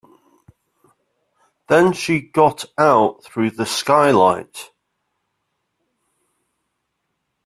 Then she got out through the skylight.